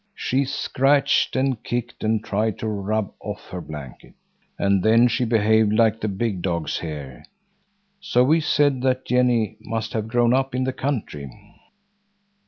She scratched, and kicked, and tried to rub off her blanket. And then she behaved like the big dogs here; so we said that Jenny must have grown up in the country.